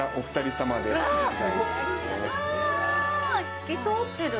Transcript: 透き通ってる。